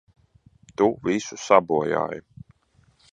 Tu visu sabojāji!